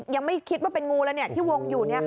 ยังไม่คิดว่าเป็นงูแล้วที่วงอยู่